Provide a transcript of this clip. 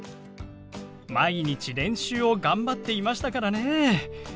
毎日練習を頑張っていましたからね。